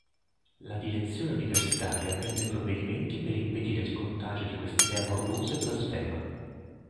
La direzione universitaria prende provvedimenti per impedire il contagio di quest’idea morbosa e blasfema.